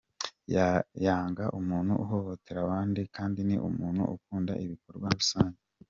Yanga umuntu uhohotera abandi kandi ni umuntu ukunda ibikorwa rusange.